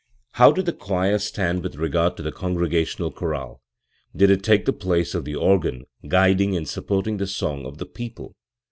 How did the choir stand with regard to the congregational chorale? Did it take the place of the organ, guiding and supporting the song of the people?